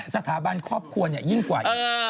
สถาบันครอบครัวยิ่งกว่าอีก